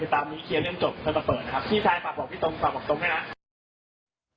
พี่ชายฝากบอกพี่ตรงฝากบอกตรงด้วยนะ